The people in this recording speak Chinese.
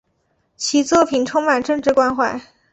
其作品充满政治关怀。